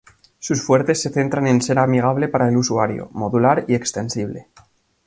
Sus fuertes se centran en ser amigable para el usuario, modular y extensible.